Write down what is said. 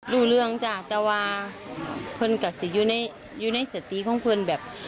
สูบยาว